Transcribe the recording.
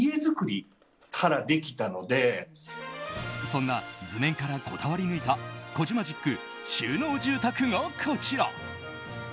そんな図面からこだわり抜いたコジマジック収納住宅がこちら。